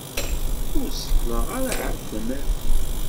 Ur seṭṭleɣ ara ɛad tamart-iw.